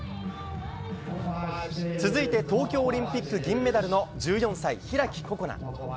続いて東京オリンピック銀メダルの１４歳、開心那。